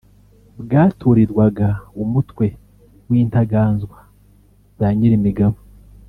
bwaturirwaga umutwe w’Intaganzwa za Nyirimigabo